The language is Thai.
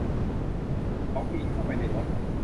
เขาปีนเข้าไปในรถ